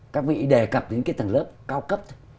các vị đề cập đến cái tầng lớp cao cấp thôi